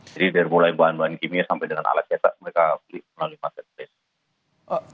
jadi dari mulai bahan bahan kimia sampai dengan alat jasa mereka beli melalui marketplace